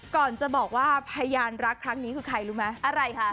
ก่อนจะบอกว่าพยานรักครั้งนี้คือใครหรือมัน